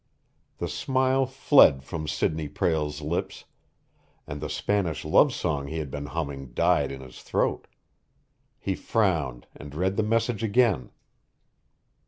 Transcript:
The smile fled from Sidney Prale's lips, and the Spanish love song he had been humming died in his throat. He frowned, and read the message again.